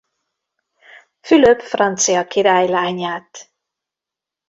Fülöp francia király lányát.